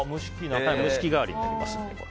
蒸し器代わりになります。